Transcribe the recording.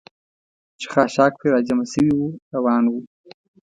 چې خاشاک پرې را جمع شوي و، روان ووم.